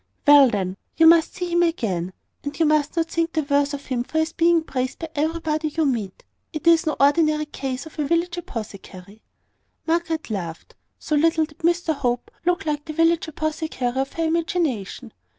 "Well, then, you must see him again; and you must not think the worse of him for his being praised by everybody you meet. It is no ordinary case of a village apothecary." Margaret laughed; so little did Mr Hope look like the village apothecary of her imagination.